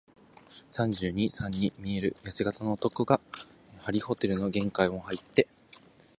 三十二、三に見えるやせ型の男が、張ホテルの玄関をはいって、